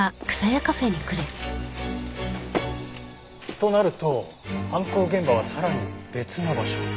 となると犯行現場はさらに別の場所？